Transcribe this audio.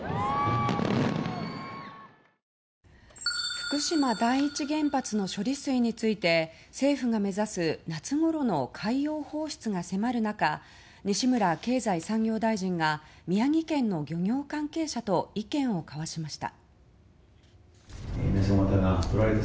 福島第一原発の処理水について政府が目指す夏ごろの海洋放出が迫る中西村経済産業大臣が宮城県の漁業関係者と意見を交わしました。